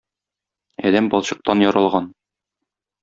Адәм балчыктан яралган